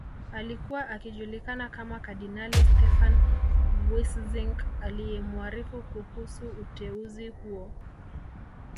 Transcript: Alikuwa akijulikana kama kardinali Stefan Wyszynsk aliyemuarifu kuhusu uteuzi huo